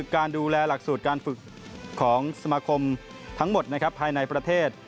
การดูแลหลักสูตรการฝึกของสมาคมทั้งหมดภายในประเทศ